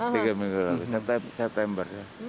tiga minggu lalu september